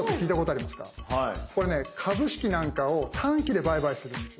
これね株式なんかを短期で売買するんですよね。